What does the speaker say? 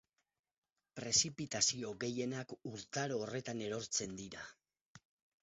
Prezipitazio gehienak urtaro horretan erortzen dira.